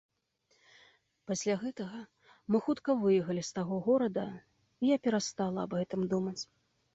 Пасля гэтага, мы хутка выехалі з таго горада, і я перастала аб гэтым думаць.